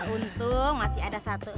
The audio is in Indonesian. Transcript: untung masih ada satu